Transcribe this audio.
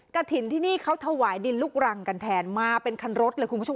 กระถิ่นที่นี่เขาถวายดินลูกรังกันแทนมาเป็นคันรถเลยคุณผู้ชม